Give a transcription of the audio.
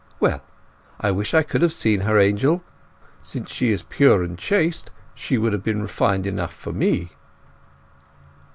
Well, I wish I could have seen her, Angel. Since she is pure and chaste, she would have been refined enough for me."